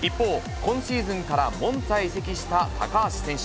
一方、今シーズンからモンツァへ移籍した高橋選手。